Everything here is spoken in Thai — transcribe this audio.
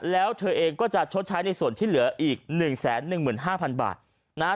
แล้วเธอเองก็จะชดใช้ในส่วนที่เหลืออีกหนึ่งแสนหนึ่งหมื่นห้าพันบาทนะฮะ